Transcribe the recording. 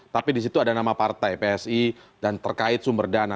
tapi di situ ada nama partai psi dan terkait sumber dana